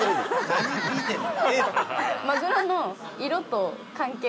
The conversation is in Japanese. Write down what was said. ◆何聞いてんの！